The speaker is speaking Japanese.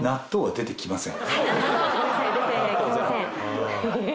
出てきません」